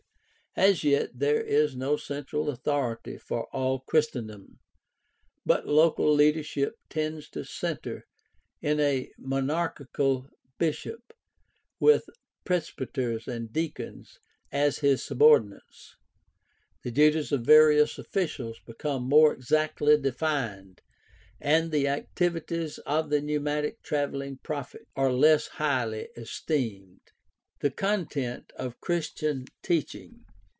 As yet there is no central authority for all Christendom, but local leadership tends to center in a monarchical bishop with presbyters and deacons as his subordinates. The duties of various officials become more exactly defined, and the activities of the pneu matic traveling prophet are less highly esteemed. The content of Christian teaching.